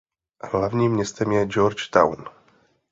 Hlavním městem je George Town.